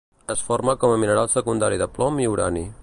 Es forma com a mineral secundari de plom i urani.